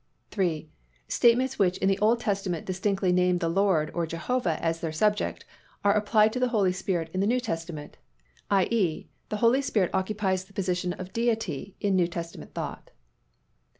III. _Statements which in the Old Testament distinctly name the __LORD__ or Jehovah as their subject are applied to the Holy Spirit in the New Testament, i. e., the Holy Spirit occupies the position of Deity in New Testament thought.